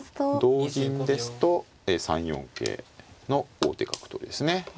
同銀ですと３四桂の王手角取りですね。